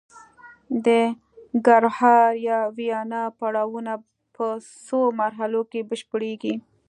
د ګړهار یا وینا پړاوونه په څو مرحلو کې بشپړیږي